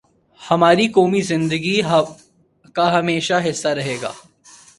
ہماری قومی زندگی کا ہمیشہ حصہ رہا ہے۔